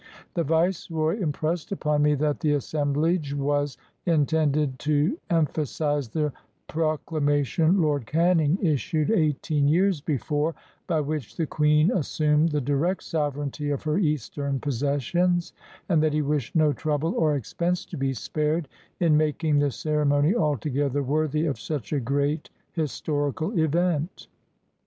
The Viceroy impressed upon me that the assemblage was intended to emphasize the Proclama tion Lord Canning issued eighteen years before, by which the Queen assumed the direct sovereignty of her Eastern possessions, and that he wished no trouble or expense to be spared in making the ceremony altogether worthy of such a great historical event.